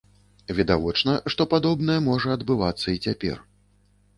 Відавочна, што падобнае можа адбываецца і цяпер.